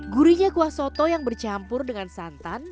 gurihnya kuah soto yang bercampur dengan santan